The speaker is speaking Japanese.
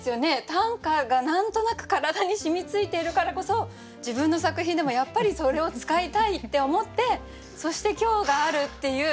短歌が何となく体に染みついているからこそ自分の作品でもやっぱりそれを使いたいって思ってそして今日があるっていう。